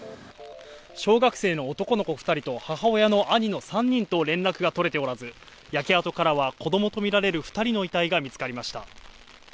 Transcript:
小学生の男の子２人と母親の兄の３人と連絡が取れておらず、焼け跡からは子どもと見られる２人の遺体が見つかりました。